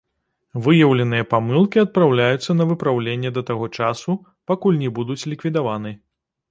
Выяўленыя памылкі адпраўляюцца на выпраўленне да таго часу, пакуль не будуць ліквідаваны.